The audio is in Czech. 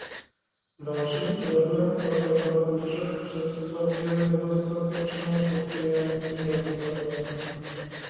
Vážný problém pro Evropu však představuje nedostatečná sociální rovnováha.